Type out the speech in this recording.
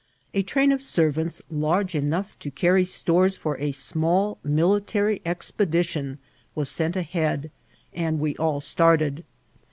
A train of servants large enough to carry stores far a small Bulitary expediticm was sent ahead, and we all started.